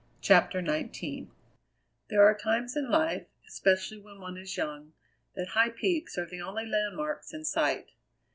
CHAPTER XIX There are times in life, especially when one is young, that high peaks are the only landmarks in sight.